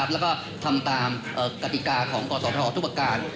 แล้วก็ทำตามกติกาของกศธทุกประการ